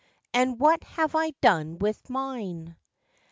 And what have I done with mine?